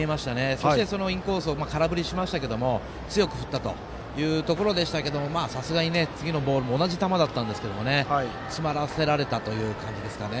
そしてインコースを空振りしましたけど強く振ったというところでしたがさすがに次のボールが同じ球だったんですけど詰まらされたという感じですかね